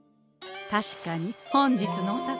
確かに本日のお宝